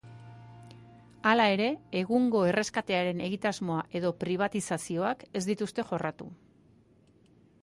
Hala ere, egungo erreskatearen egitasmoa edo pribatizazioak ez dituzte jorratu.